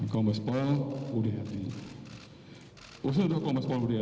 komitmen bapak kapolri